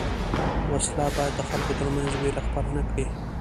وسله باید د خلکو تر منځ وېره خپره نه کړي